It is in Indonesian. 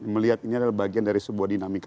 melihat ini adalah bagian dari sebuah dinamika